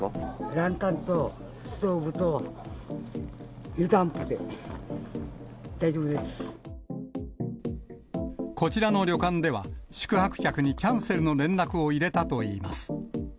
ランタンとストーブと、こちらの旅館では、宿泊客にキャンセルの連絡を入れたといいます。